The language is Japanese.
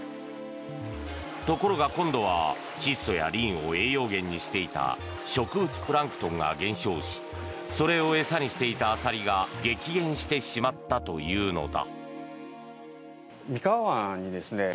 ところが今度は窒素やリンを栄養源にしていた植物プランクトンが減少しそれを餌にしていたアサリが激減してしまったというのだ。